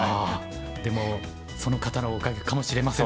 でもその方のおかげかもしれませんね。